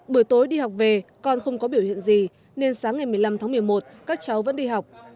buổi tối đi học về con không có biểu hiện gì nên sáng ngày một mươi năm tháng một mươi một các cháu vẫn đi học